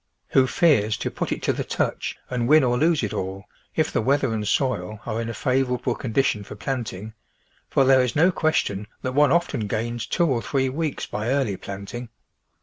Who fears to put it to the touch, and win or lose it all," if the weather and soil are in a favourable condition for planting, for there is no question that one often gains two or three weeks by early planting.